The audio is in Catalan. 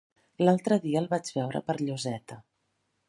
L'altre dia el vaig veure per Lloseta.